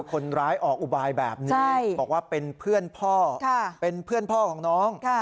คนร้ายออกอุบายแบบนี้บอกว่าเป็นเพื่อนพ่อเป็นเพื่อนพ่อของน้อง